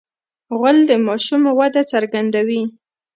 غول د ماشوم وده څرګندوي.